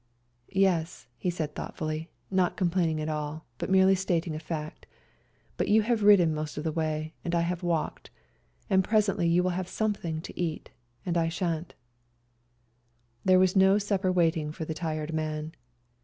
" Yes," he said thoughtfully, not complaining at all, but merely stating a fact, " but you have ridden most of the way and I have walked, and presently you will have something to eat, and I shan't." There was no supper waiting for the tired man.